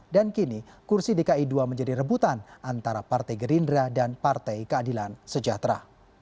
dan kini kursi dki ii menjadi rebutan antara partai gerindra dan partai keadilan sejahtera